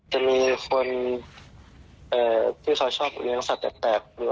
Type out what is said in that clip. จะมีคนที่ฉมชอบเอื้องสัตว์แดด